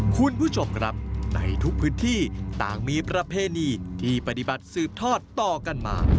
คุณผู้ชมครับในทุกพื้นที่ต่างมีประเพณีที่ปฏิบัติสืบทอดต่อกันมา